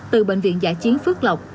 từ bệnh viện giả chiến phước lộc